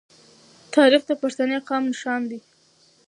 تاریخ د پښتني قام نښان دی.